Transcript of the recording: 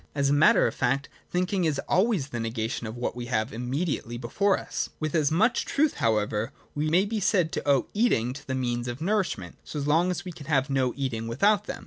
(As a matter of fact, thinking is always the nega tion of what we have immediately before us.) With I2.j EXPERIENCE INDISPENSABLE. 21 as much truth however we may be said to owe eating to the means of nourishment, so long as we can have no eating without them.